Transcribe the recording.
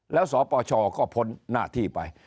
แล้วสปชก็พ้นหน้าที่ไป